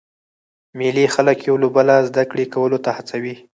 مېلې خلک یو له بله زده کړي کولو ته هڅوي.